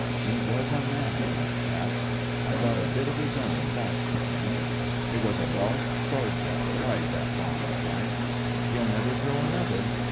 He was a man, that chap. I got a bit of his own back for him. It was a Boche sergeant shied that bomb at ; but he'll never throw another.